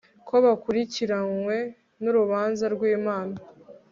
ko bakurikiranywe n'urubanza rw'imana